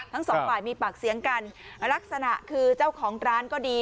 ทั้งสองฝ่ายมีปากเสียงกันลักษณะคือเจ้าของร้านก็ดี